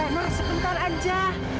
lena sebentar aja